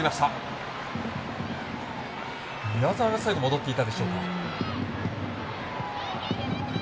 宮澤が最後戻っていたでしょうか。